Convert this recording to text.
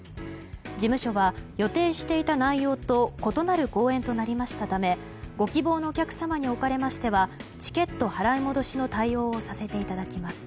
事務所は、予定していた内容と異なる公演となりましたためご希望のお客様におかれましてはチケット払い戻しの対応をさせていただきます。